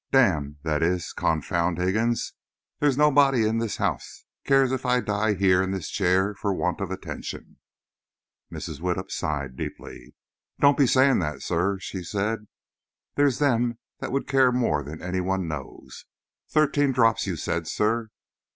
D–––– that is, confound Higgins! There's nobody in this house cares if I die here in this chair for want of attention." Mrs. Widdup sighed deeply. "Don't be saying that, sir," she said. "There's them that would care more than any one knows. Thirteen drops, you said, sir?"